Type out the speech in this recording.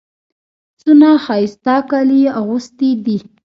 څونه ښایسته کالي يې اغوستي دي.